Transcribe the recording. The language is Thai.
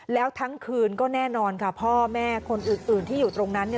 แล้วทั้งคืนก็แน่นอนค่ะพ่อแม่คนอื่นที่อยู่ตรงนั้น